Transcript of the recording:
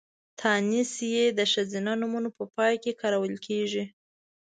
تانيث ۍ د ښځينه نومونو په پای کې کارول کېږي.